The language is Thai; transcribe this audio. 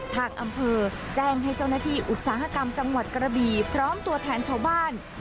ทางอำเภอแจ้งให้เจ้าหน้าที่อุตสาหกรรมจังหวัดกระบีพร้อมตัวแทนชาวบ้าน